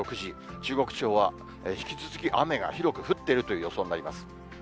中国地方は、引き続き雨が広く降っているという予想になります。